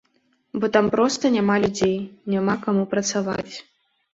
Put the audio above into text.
Бо там проста няма людзей, няма каму працаваць.